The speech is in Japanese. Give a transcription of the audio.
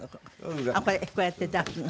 これこうやって出すの。